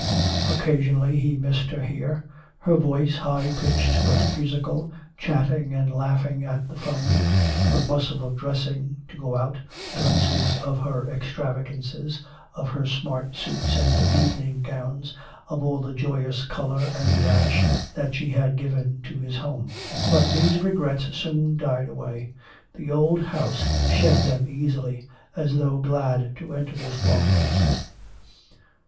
Occasionally he missed her here her voice, high pitched but musical, chatting and laughing at the 'phone, her bustle of dressing to go out, glimpses of her extravagances, of her smart suits and evening gowns, of all the joyous color and dash that she had given to his home. But these regrets soon died away. The old house shed them easily, as though glad to enter this long rest.